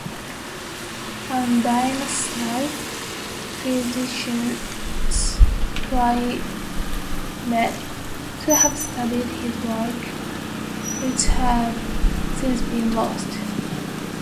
Han Dynasty physicians claimed to have studied his works, which have since been lost.